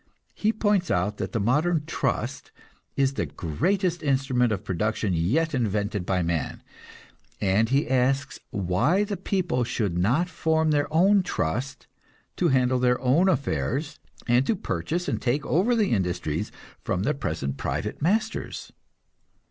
He points out that the modern "trust" is the greatest instrument of production yet invented by man; and he asks why the people should not form their own "trust," to handle their own affairs, and to purchase and take over the industries from their present private masters.